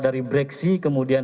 dari breksi kemudian